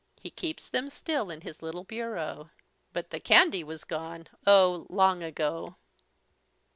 He keeps them still in his little bureau. But the candy was gone, oh, long ago.